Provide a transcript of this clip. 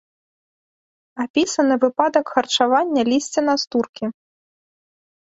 Апісаны выпадак харчавання лісця настуркі.